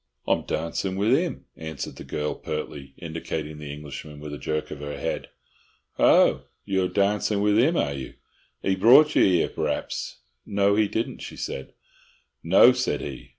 "I'm darncin' with 'im," answered the girl, pertly, indicating the Englishman with a jerk of her head. "Ho, you're darncin' with 'im, are you? 'E brought you 'ere, p'r'aps?" "No, he didn't," she said. "No," said he.